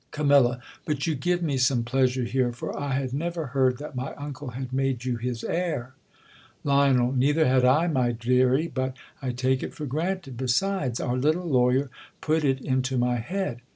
Cam, But you give me some pleasure here ; for I had never heard that my uncle had made you his heir. Lion, Neither had I, my deary; but 1 take it for fi; ranted. Besides, our little lawyer put it into my head.